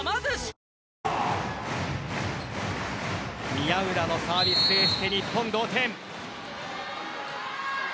宮浦のサービスエースで日本同点。